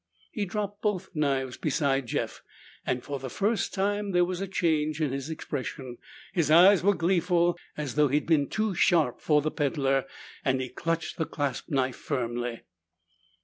He dropped both knives beside Jeff and for the first time there was a change in his expression. His eyes were gleeful, as though he'd been too sharp for a peddler, and he clutched the clasp knife firmly.